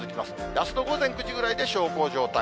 あすの午前９時ぐらいで小康状態。